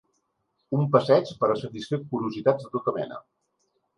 Un passeig per a satisfer curiositats de tota mena.